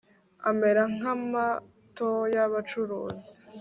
amera nk'amato y'abacuruzi